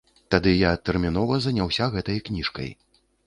Тады я тэрмінова заняўся гэтай кніжкай.